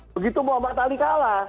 begitu muhammad ali kalah